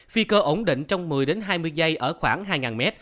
phi cơ ổn định trong một mươi hai mươi giây ở khoảng hai m